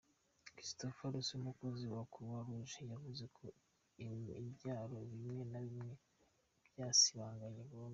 Christopher Rassi, umukozi wa Croix Rouge, yavuze ko ibyaro bimwe na bimwe "byasibanganye burundu.